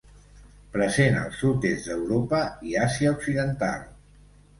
Present al sud-est d’Europa i Àsia occidental.